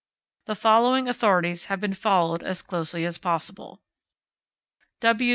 The following authorities have been followed as closely as possible: W.